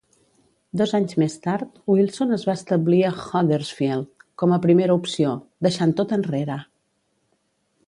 Dos anys més tard, Wilson es va establir a Huddersfield com a primera opció, deixant tot enrere.